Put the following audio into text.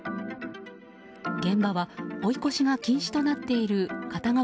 現場は追い越しが禁止となっている片側